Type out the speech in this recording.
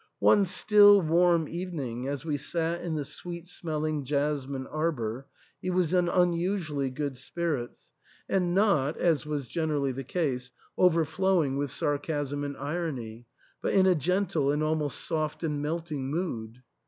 One still, warm evening, as we sat in the sweet smelling jasmine arbour, he was in un usually good spirits, and not, as was generally the case, overflowing with sarcasm and irony, but in a gentle and almost soft and melting mood.